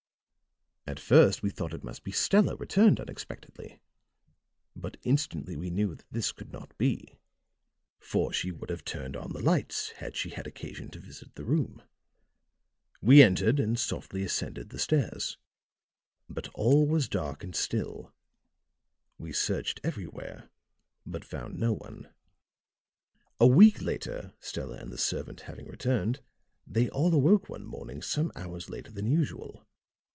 "At first we thought it must be Stella returned unexpectedly; but instantly we knew that this could not be, for she would have turned on the lights had she had occasion to visit the room. We entered and softly ascended the stairs. But all was dark and still; we searched everywhere, but found no one. "A week later, Stella and the servant having returned, they all awoke one morning some hours later than usual.